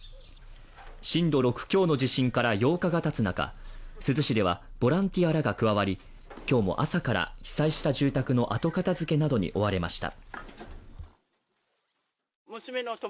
震度６強の地震から８日が経つ中、珠洲市ではボランティアらが加わり、今日も朝から、被災した住宅の後片付けなどに追われました。